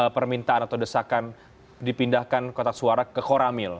permintaan atau desakan dipindahkan kotak suara ke koramil